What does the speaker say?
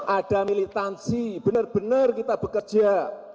ada militansi benar benar kita bekerja